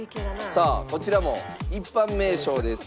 さあこちらも一般名称です。